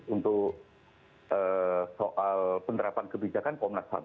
untuk soal penerapan kebijakan komnas ham